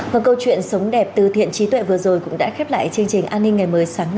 và câu chuyện sống đẹp từ thiện trí tuệ vừa rồi cũng đã khép lại chương trình an ninh ngày mới sáng nay